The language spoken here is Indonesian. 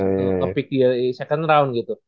harus kepikir di second round gitu